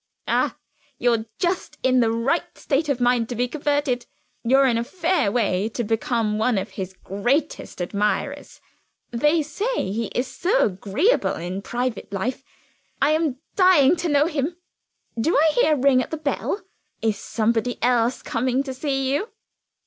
"Ah, you're just in the right state of mind to be converted; you're in a fair way to become one of his greatest admirers. They say he is so agreeable in private life; I am dying to know him. Do I hear a ring at the bell? Is somebody else coming to see you?"